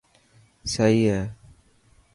سهي هي،